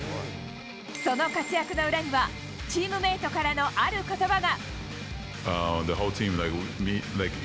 その活躍の裏には、チームメートからのあることばが。